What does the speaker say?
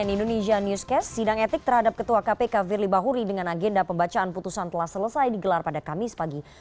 itu beliau sampaikan sama seperti yang beliau katakan tadi